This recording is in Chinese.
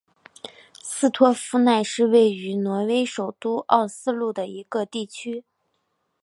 斯托夫奈是位于挪威首都奥斯陆的一个地区。